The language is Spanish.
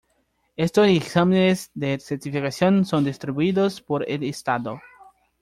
Estos exámenes de certificación son distribuidos por el estado.